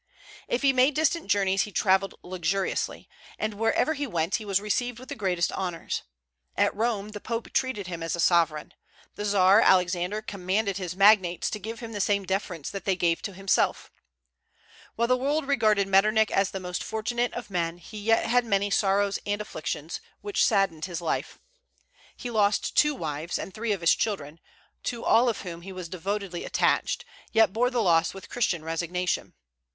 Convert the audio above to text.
If he made distant journeys he travelled luxuriously, and wherever he went he was received with the greatest honors. At Rome the Pope treated him as a sovereign. The Czar Alexander commanded his magnates to give to him the same deference that they gave to himself. While the world regarded Metternich as the most fortunate of men, he yet had many sorrows and afflictions, which saddened his life. He lost two wives and three of his children, to all of whom he was devotedly attached, yet bore the loss with Christian resignation.